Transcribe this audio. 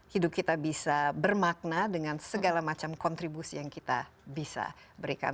hidup kita bisa bermakna dengan segala macam kontribusi yang kita bisa berikan